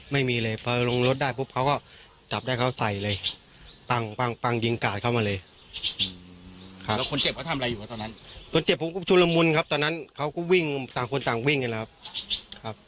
มันกระทืบแล้วจะไม่มีฟันอีก